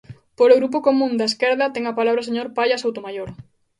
Polo Grupo Común da Esquerda, ten a palabra o señor Palla Soutomaior.